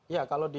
ya kalau di